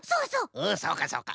うんそうかそうか。